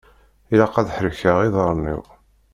Ilaq ad ḥerkeɣ iḍaṛṛen-iw.